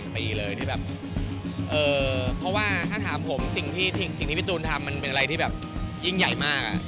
เพราะว่าถ้าถามผมสิ่งที่พี่ตูงทำมันเป็นอะไรที่ยิ่งใหญ่มาก